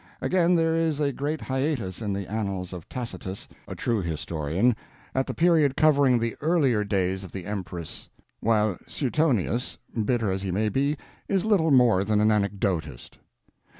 Again, there is a great hiatus in the Annals of Tacitus, a true historian, at the period covering the earlier days of the Empress; while Suetonius, bitter as he may be, is little more than an anecdotist.